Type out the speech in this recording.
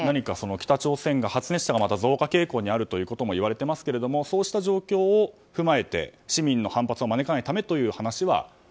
北朝鮮が発熱者がまた増加傾向にあるということもいわれていますがそうした状況を踏まえて市民の反発を招かないためという話は。